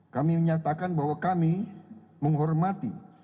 kami menyatakan bahwa kami menghormati